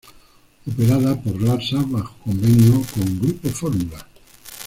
Operada por Larsa bajo convenio con Grupo Fórmula.